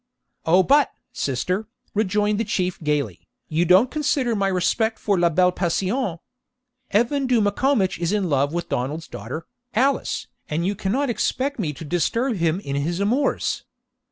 'O but, sister,' rejoined the Chief gaily, 'you don't consider my respect for la belle passion. Evan Dhu Maccombich is in love with Donald's daughter, Alice, and you cannot expect me to disturb him in his amours.